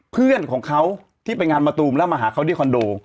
เพื่อนของเขาที่ไปงานมะตูมแล้วมาหาเขาที่คอนโด